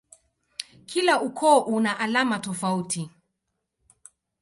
Kila ukoo una alama tofauti.